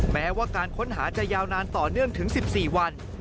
แม้ว่าการค้นหาจะยาวนานต่อเนื่องถึง๑๔วัน